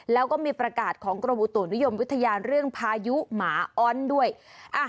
แล้วก็มีประกาศของกรมอุตุนิยมวิทยาเรื่องพายุหมาอ้อนด้วย